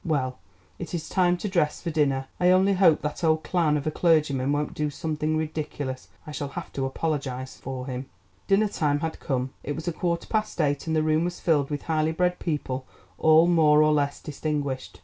Well, it is time to dress for dinner. I only hope that old clown of a clergyman won't do something ridiculous. I shall have to apologise for him." Dinner time had come; it was a quarter past eight, and the room was filled with highly bred people all more or less distinguished.